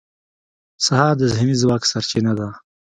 سهار د ذهني ځواک سرچینه ده.